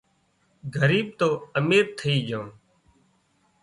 ڳريٻ تو امير ٿئي جھان